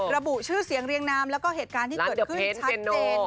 ระบุชื่อเสียงเรียงนามแล้วก็เหตุการณ์ที่เกิดขึ้นชัดเจน